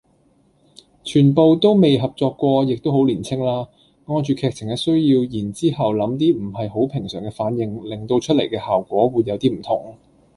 全部都未合作過亦都好年青啦，按住劇情嘅需求然之後諗啲唔係好平常嘅反應令到出嚟嘅效果會有啲唔同